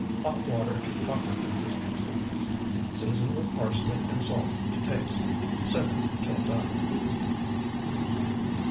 Hot water to proper consistency. Season with parsley and salt to taste. Simmer till done.